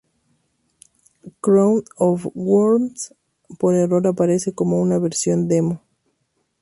Crown of Worms por error aparece como una versión demo.